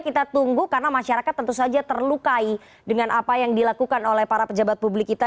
kita tunggu karena masyarakat tentu saja terlukai dengan apa yang dilakukan oleh para pejabat publik kita